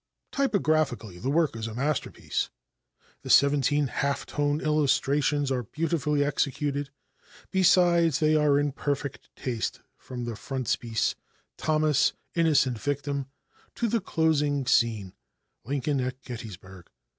Typographically the work is a masterpiece. The seventeen half tone illustrations are beautifully executed; besides they are in perfect taste from the frontispiece, Thomas' "Innocent Victim," to the closing scene, "Lincoln at Gettysburg."